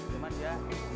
cuman ya waktu itu